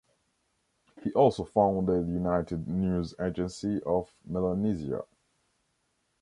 He also founded the United News Agency of Melanesia.